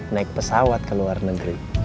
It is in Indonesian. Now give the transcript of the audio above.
naik pesawat ke luar negeri